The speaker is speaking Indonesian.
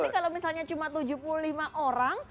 nah ini kalau misalnya cuma tujuh puluh lima orang